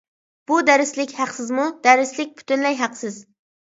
بۇ دەرسلىك ھەقسىزمۇ؟ دەرسلىك پۈتۈنلەي ھەقسىز.